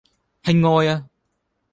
係愛呀！